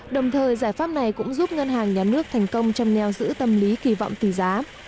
đồng thời giải pháp này cũng giúp ngân hàng nhà nước thành công trong neo giữ tâm lý kỳ vọng tỷ giá